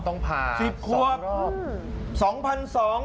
ต้องผ่าสองรอบ